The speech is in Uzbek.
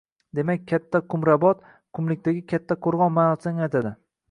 Demak, Katta Qumrabot – «qumlikdagi katta qo‘rg‘on» ma’nosini anglatadi.